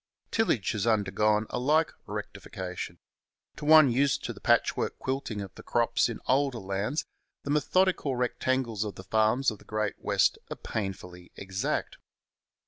Tillage has undergone a like rectification. To one used to the patchwork quilting of the crops in older lands the methodical rectangles of the farms of the Great West are painfully exact.